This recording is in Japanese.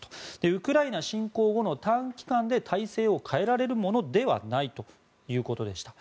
ウクライナ侵攻後の短期間で体制を変えられるものではないということでした。